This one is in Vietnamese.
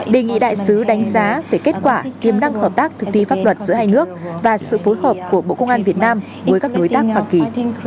đề nghị đại sứ đánh giá về kết quả tiềm năng hợp tác thực thi pháp luật giữa hai nước và sự phối hợp của bộ công an việt nam với các đối tác hoa kỳ